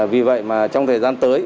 vì vậy mà trong thời gian tới